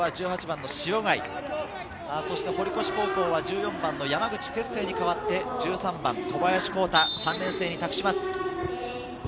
そして堀越高校は１４番の山口輝星に代わって１３番・小林宏太、３年生に託します。